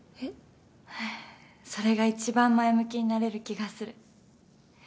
それが一番前向きになれる気がする。